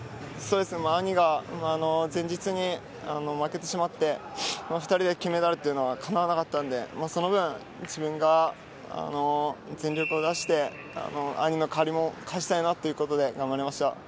兄が前日に負けてしまって２人で金メダルというのはかなわなかったのでその分、自分が全力を出して兄の借りも返したいなということで頑張りました。